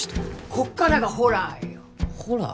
こっからがホラーよホラー？